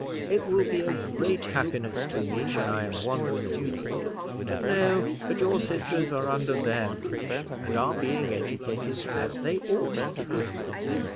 It will be a great happiness to me when I am wandering abroad to know that your sisters are under their roof, and are being educated as they ought to be."